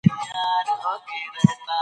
تا ويل اور نه پرېږدو تنور نه پرېږدو